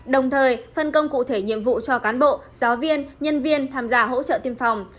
đồng thời phân công cụ thể nhiệm vụ cho cán bộ giáo viên nhân viên tham gia hỗ trợ tiêm phòng